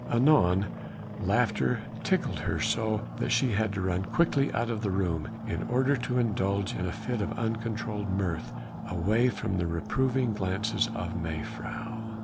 Anon laughter tickled her so that she had to run quickly out of the room, in order to indulge in a fit of uncontrolled mirth, away from the reproving glances of mevrouw.